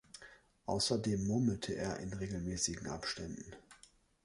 Außerdem murmelte er in regelmäßigen Abständen.